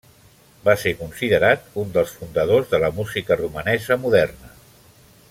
Va ser considerat un dels fundadors de la música romanesa moderna.